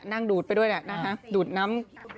นั่งดูดไปด้วยดูดน้ำ